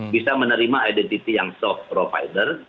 bisa menerima identitas yang soft provider